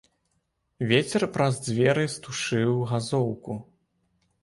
Вецер праз дзверы стушыў газоўку.